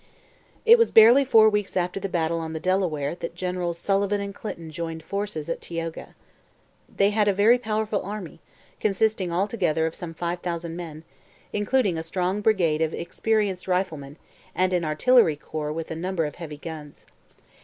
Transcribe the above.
It was barely four weeks after the battle on the Delaware that Generals Sullivan and Clinton joined forces at Tioga. They had a very powerful army, consisting altogether of some five thousand men, including a strong brigade of experienced riflemen and an artillery corps with a number of heavy guns.